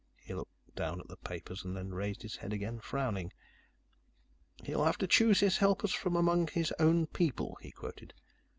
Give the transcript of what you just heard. He looked down at the papers, then raised his head again, frowning. "'He'll have to choose his helpers from among his own people,'" he quoted.